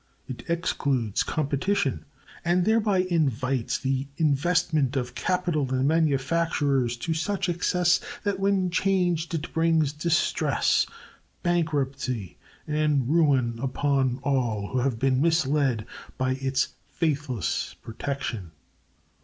It excludes competition, and thereby invites the investment of capital in manufactures to such excess that when changed it brings distress, bankruptcy, and ruin upon all who have been misled by its faithless protection.